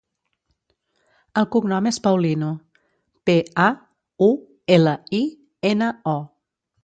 El cognom és Paulino: pe, a, u, ela, i, ena, o.